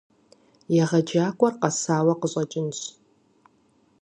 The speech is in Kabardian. ЕгъэджакӀуэр къэсауэ къыщӀэкӀынщ.